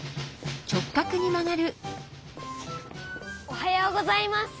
おはようございます。